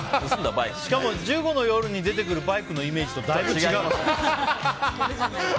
しかも「１５の夜」に出てくるバイクのイメージとだいぶ違いますね。